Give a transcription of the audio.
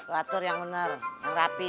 lu atur yang benar yang rapi